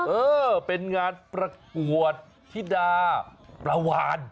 เออเป็นงานประกวดธิดาปลาวาน